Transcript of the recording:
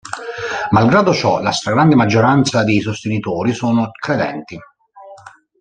Malgrado ciò, la stragrande maggioranza dei sostenitori sono credenti.